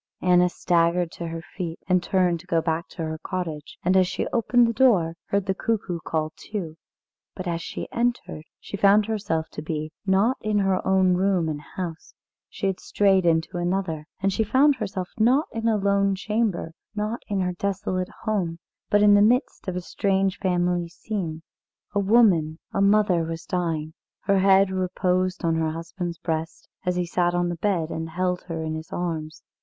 Anna staggered to her feet, and turned to go back to her cottage, and as she opened the door, heard the cuckoo call two. But, as she entered, she found herself to be, not in her own room and house she had strayed into another, and she found herself not in a lone chamber, not in her desolate home, but in the midst of a strange family scene. A woman, a mother, was dying. Her head reposed on her husband's breast as he sat on the bed and held her in his arms.